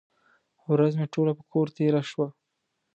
ورځ مې ټوله په کور تېره شوه.